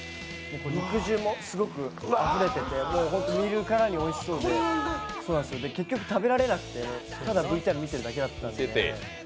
肉汁もすごくあふれてて見るからにおいしそうで結局食べられなくて、ただＶＴＲ見ているだけだったので。